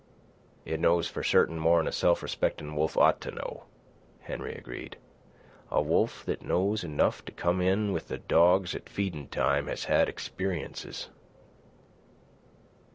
"It knows for certain more'n a self respectin' wolf ought to know," Henry agreed. "A wolf that knows enough to come in with the dogs at feedin' time has had experiences."